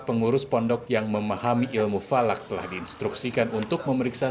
pengurus pondok yang memahami ilmu falak telah diinstruksikan untuk memeriksa